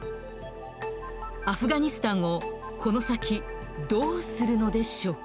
アフガニスタンをこの先どうするのでしょうか。